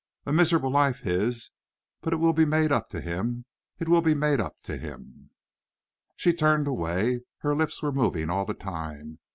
A miserable life, his, but it will be made up to him. It will be made up to him!" She turned away. Her lips were moving all the time.